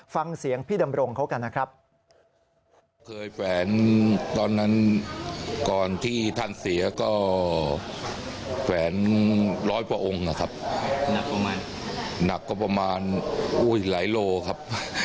ฟังเสียงพี่ดำรงเขากันนะครับ